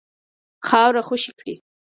خاوره خوشي کړي.